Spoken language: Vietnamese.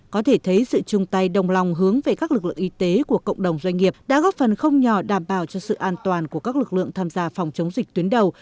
có thể thấy sự chung tay đồng lòng hướng về các lực lượng y tế của cộng đồng doanh nghiệp đã góp phần không nhỏ đảm bảo cho sự an toàn của các lực lượng tham gia phòng chống dịch tuyến đầu